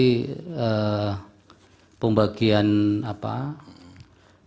akan mempersusut sistematikanya nanti